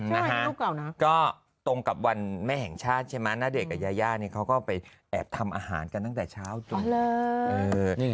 นะฮะก็ตรงกับวันแม่แห่งชาติใช่ไหมณเดชน์กับยาย่าเนี่ยเขาก็ไปแอบทำอาหารกันตั้งแต่เช้าจนเลย